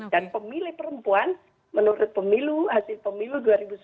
dan pemilih perempuan menurut pemilu hasil pemilu dua ribu sembilan belas